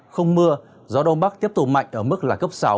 không mưa gió đông bắc tiếp tục mạnh ở mức là cấp sáu